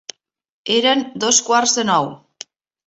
Eren dos quarts de nou.